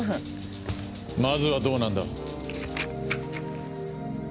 まずはどうなんだ？